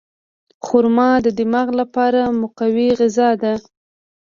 خرما د دماغ لپاره مقوي غذا ده.